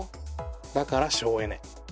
だから省エネ。